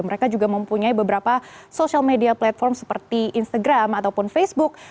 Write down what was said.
mereka juga mempunyai beberapa social media platform seperti instagram ataupun facebook